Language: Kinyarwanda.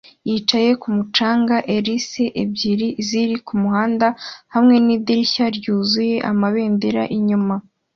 Yicaye kumu canga ers ebyiri ziri kumuhanda hamwe nidirishya ryuzuye amabendera inyuma